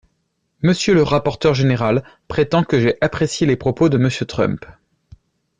Monsieur le rapporteur général prétend que j’ai apprécié les propos de Monsieur Trump.